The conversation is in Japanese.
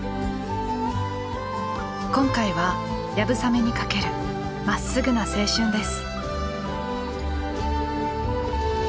今回は流鏑馬にかけるまっすぐな青春です。